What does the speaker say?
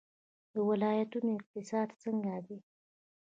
د ولایتونو اقتصاد څنګه دی؟